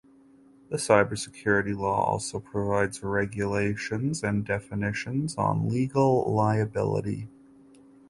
The cybersecurity law also provides regulations and definitions on legal liability.